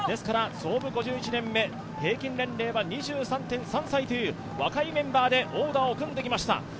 創部５１年目、平均年齢は２３．３歳という若いメンバーでオーダーを組んできました。